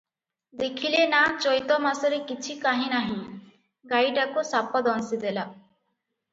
ଦେଖିଲେ ନା ଚୈଇତମାସରେ କିଛି କାହିଁ ନାହିଁ, ଗାଈଟାକୁ ସାପ ଦଂଶିଦେଲା!